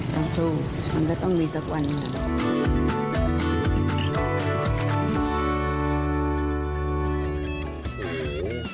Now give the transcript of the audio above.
ต้องสู้มันก็ต้องมีสักวันหนึ่ง